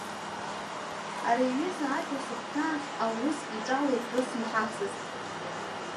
Ари аҩыза ажәа сыхәҭаахь аурыск иҿала иҳәо исмаҳацызт.